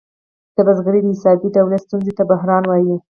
د بزګرۍ د اضافي تولید ستونزې ته بحران وايي